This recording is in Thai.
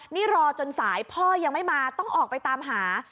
นี่รอจนสายพ่อยังไม่มาต้องออกไปตามหา